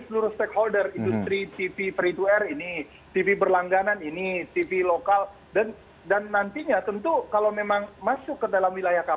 sebetulnya kan kalau di penyiaran kita tahu tadi disebutkan